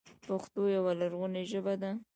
پښتو یوه لرغونې ژبه ده